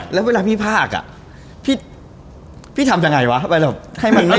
แล้วเวลาพี่ภาคอ่ะพี่ทำยังไงวะ